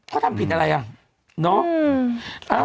เขาทำผิดอะไรน่ะ